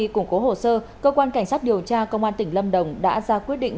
cùng có hồ sơ cơ quan cảnh sát điều tra công an tỉnh lâm đồng đã ra quyết định